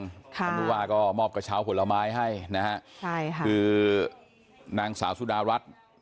ท่านผู้ว่าก็มอบกระเช้าผลไม้ให้นะฮะใช่ค่ะคือนางสาวสุดารัฐ